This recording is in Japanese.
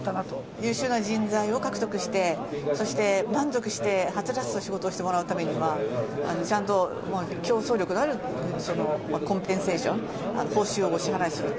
優秀な人材を獲得して、そして満足してはつらつと仕事をしてもらうためには、ちゃんと競争力のあるコンペンセーション・報酬をお支払いすると。